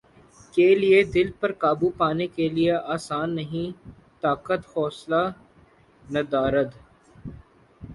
کے لیے دل پر قابو پانے کیلئے آسان نہیں طاقت حوصلہ ندارد